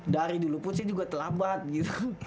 dari dulu pun saya juga terlambat gitu